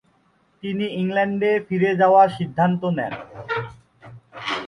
তিনি ইংল্যান্ডে ফিরে যাওয়ার সিদ্ধান্ত নেন।